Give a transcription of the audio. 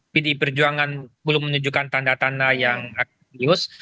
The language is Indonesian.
pd perjuangan belum menunjukkan tanda tanda yang aktif